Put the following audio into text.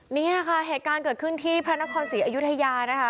นี่ค่ะแหกการเกิดขึ้นที่พระนครศิอายุทธิญานะคะ